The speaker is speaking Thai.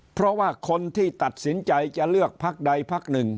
เพราะว่าคนที่ตัดสินใจจะเลือกพักใดพักหนึ่ง